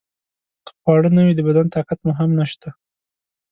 که خواړه نه وي د بدن طاقت مو هم نشته.